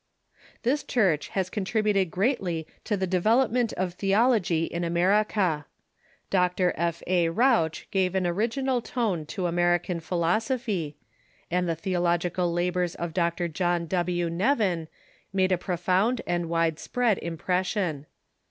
This Church has contributed greatly to the development of theology in America. Dr. F. A. Ranch gave an original tone to American philosophy, and the theological labors of Dr. John W. Nevin made a profound and widespread impression.